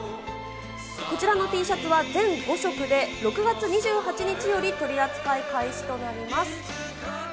こちらのＴシャツは全５色で６月２８日より取り扱い開始となります。